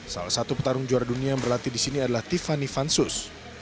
salah satu petarung juara dunia yang berlatih di sini adalah tiffany vansus